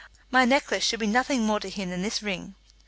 My necklace should be nothing more to him than this ring."